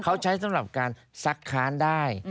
เขาใช้สำหรับการซักค้านได้